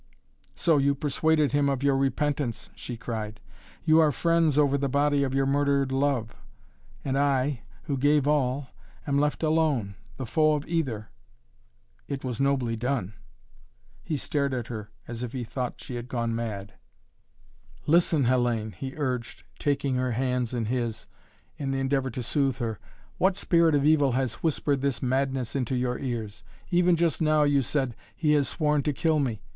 "So you persuaded him of your repentance," she cried. "You are friends over the body of your murdered love! And I who gave all am left alone, the foe of either. It was nobly done." He stared at her as if he thought she had gone mad. "Listen, Hellayne," he urged, taking her hands in his, in the endeavor to soothe her. "What spirit of evil has whispered this madness into your ears? Even just now you said, he has sworn to kill me.